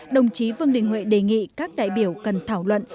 đồng chí vương đình huệ đề nghị các đại biểu cần thảo luận